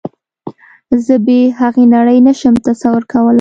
زه بې هغې نړۍ نشم تصور کولی